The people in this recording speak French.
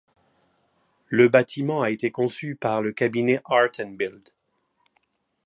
Le bâtiment a été conçu par le cabinet Art & Build.